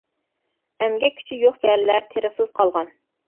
ئەمگەك كۈچى يوق يەرلەر تېرىقسىز قالغان.